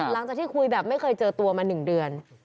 ตอนที่คุยแบบไม่เคยเจอตัวมา๑เดือน